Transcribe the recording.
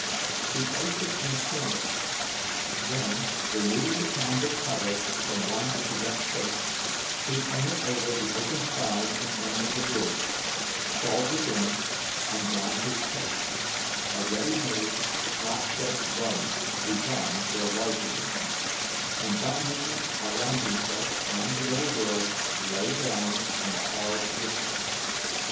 He placed it in a corner; then, removing the canvas cover from one of the wrecked boats, he hung it over the open side and end of the bridge, crawled within, and donned his coat a ready made, slop chest garment, designed for a larger man and buttoning it around himself and the little girl, lay down on the hard woodwork.